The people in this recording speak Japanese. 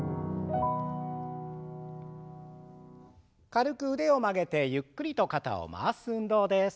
軽く腕を曲げてゆっくりと肩を回す運動です。